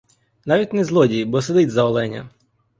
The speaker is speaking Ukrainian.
Навіть не злодій, бо сидить за оленя.